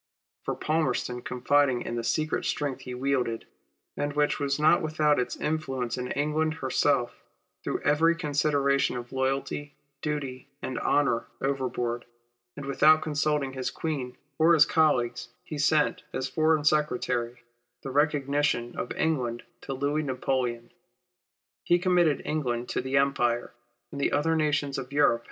For Palmerston, confiding in the secret strength he wielded, and which was not without its influence in England herself, threw every consideration of loyalty, duty, and honour overboard, and without consulting his Queen or his colleagues, he sent, as Foreign Secretary, the recognition of to break out upon every point of Europe.